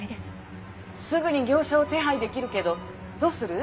すぐに業者を手配できるけどどうする？